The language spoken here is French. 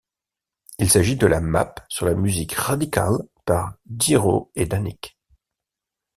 Il s’agit de la map sur la musique Radical par Dyro & Dannic.